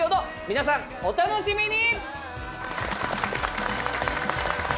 皆さんお楽しみに！